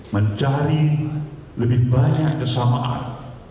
mencari lebih banyak kesamaan